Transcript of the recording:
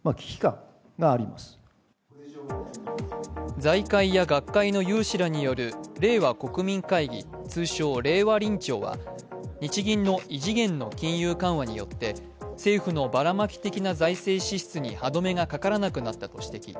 財界や学界の有志らによる令和国民会議通称・令和臨調は日銀の異次元の金融緩和によって政府のバラマキ的な財政支出に歯止めがかからなくなったと指摘。